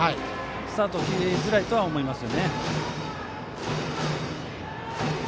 スタートを切りづらいと思います。